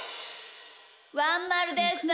ワンまるでした。